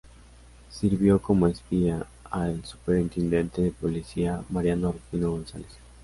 Sirvió como espía al superintendente de policía Mariano Rufino González.